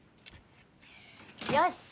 よし！